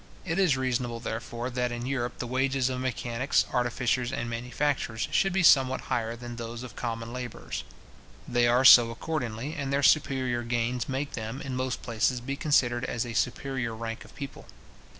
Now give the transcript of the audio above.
It is reasonable, therefore, that in Europe the wages of mechanics, artificers, and manufacturers, should be somewhat higher than those of common labourers. They are so accordingly, and their superior gains make them, in most places, be considered as a superior rank of people.